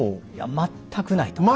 全くない！